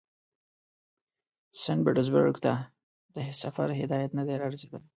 سینټ پیټرزبورګ ته د سفر هدایت نه دی را رسېدلی.